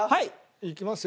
いきますよ